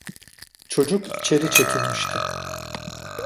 Çocuk içeri çekilmişti.